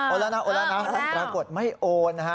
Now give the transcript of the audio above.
แล้วนะโอนแล้วนะปรากฏไม่โอนนะฮะ